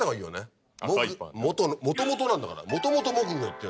もともとなんだから。